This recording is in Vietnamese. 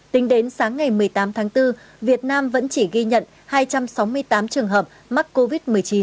tính đến sáng ngày một mươi tám tháng bốn việt nam vẫn chỉ ghi nhận hai trăm sáu mươi tám trường hợp mắc covid một mươi chín